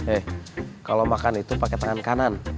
eh kalau makan itu pakai tangan kanan